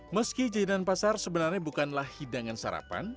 meski jajanan pasar sebenarnya bukanlah hidangan sarapan